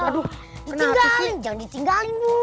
ditinggalin jangan ditinggalin bu